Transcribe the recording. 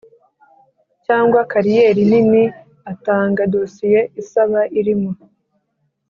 Cyangwa kariyeri nini atanga dosiye isaba irimo